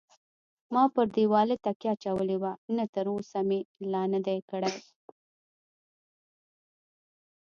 ما پر دېواله تکیه اچولې وه، نه تراوسه مې لا نه دی کړی.